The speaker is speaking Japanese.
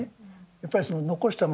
やっぱり残したもの